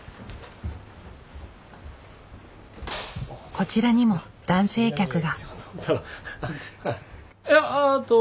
こちらにも男性客が。